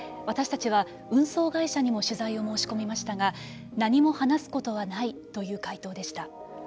私たちは運送会社にも取材を申し込みましたが何も話すことはないという回答でした。